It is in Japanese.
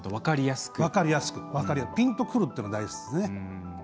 分かりやすくピンとくるというのが大事です。